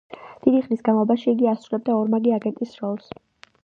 დიდი ხნის განმავლობაში იგი ასრულებდა ორმაგი აგენტის როლს.